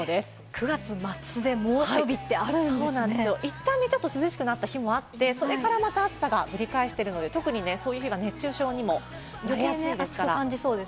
９月末でいったん涼しくなった日もあって、それからまた暑さがぶり返しているので、そういう日は熱中症にもなりやすいですからね。